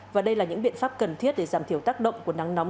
và đây là những biện pháp cần thiết để giảm thiểu tác động của nắng nóng